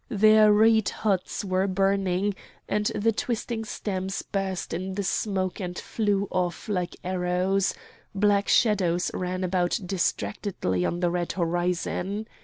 Their reed huts were burning, and the twisting stems burst in the smoke and flew off like arrows; black shadows ran about distractedly on the red horizon.